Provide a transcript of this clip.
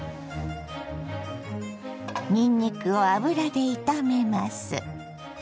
にんにくを油で炒めます。